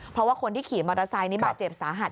เพราะว่าคนที่ขี่มอเตอร์ไซค์นี้บาดเจ็บสาหัส